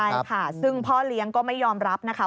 ใช่ค่ะซึ่งพ่อเลี้ยงก็ไม่ยอมรับนะคะ